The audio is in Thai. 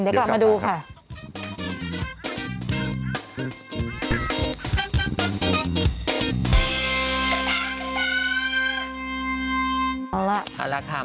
เดี๋ยวกลับมาดูค่ะ